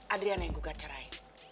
adriana yang gugat cerai